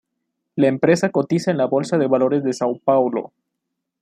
La empresa cotiza en la Bolsa de Valores de São Paulo.